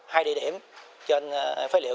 hai địa điểm trên phái liệu